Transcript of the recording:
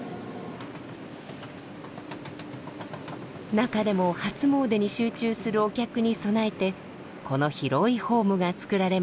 中でも初詣に集中するお客に備えてこの広いホームが作られました。